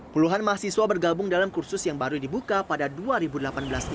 puluhan mahasiswa bergabung dalam kursus yang baru dibuka pada dua ribu delapan belas ini